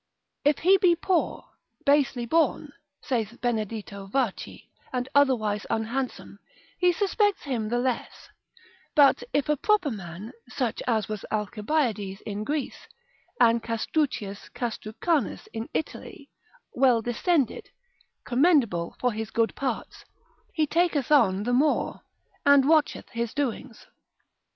If he be poor, basely born, saith Beneditto Varchi, and otherwise unhandsome, he suspects him the less; but if a proper man, such as was Alcibiades in Greece, and Castruccius Castrucanus in Italy, well descended, commendable for his good parts, he taketh on the more, and watcheth his doings.